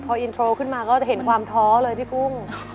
พออินโทรขึ้นมาก็จะเห็นความท้อเลยพี่กุ้ง